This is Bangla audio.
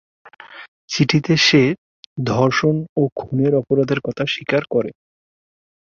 চিঠিতে সে ধর্ষণ ও খুনের অপরাধের কথা স্বীকার করে।